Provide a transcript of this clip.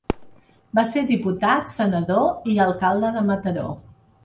Va ser diputat, senador, i alcalde de Mataró.